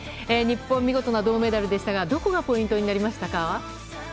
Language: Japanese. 日本、見事な銅メダルでしたが、どこがポイントになりましたか？